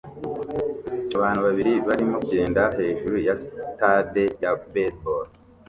Abantu babiri barimo kugenda hejuru ya stade ya baseball